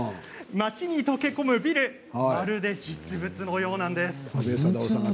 街に溶け込むビルまるで実物のようなんです。